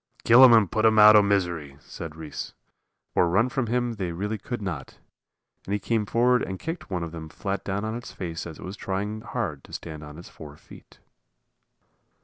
"Kill 'em and put 'em out o' misery," said Reese, for run from him they really could not, and he came forward and kicked one of them flat down on its face as it was trying hard to stand on its four feet.